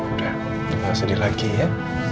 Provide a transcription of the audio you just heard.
udah sedih lagi ya